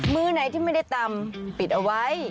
มือไหนที่ไม่ได้ตำปิดเอาไว้